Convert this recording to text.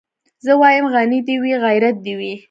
زه وايم غني دي وي غيرت دي وي